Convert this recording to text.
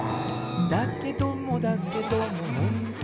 「だけどもだけどもほんとかな」